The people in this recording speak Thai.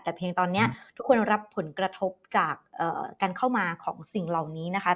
แต่เพียงตอนนี้ทุกคนรับผลกระทบจากการเข้ามาของสิ่งเหล่านี้นะคะ